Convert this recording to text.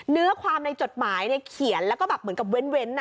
เนื้อความในจดหมายเขียนแล้วก็แบบเหมือนกับเว้น